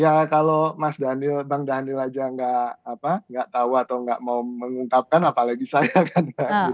ya kalau mas daniel bang daniel aja nggak tahu atau nggak mau mengungkapkan apalagi saya kan